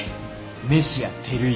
メシア照井。